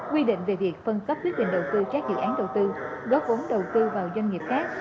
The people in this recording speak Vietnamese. quy định về việc phân cấp quyết định đầu tư các dự án đầu tư góp vốn đầu tư vào doanh nghiệp khác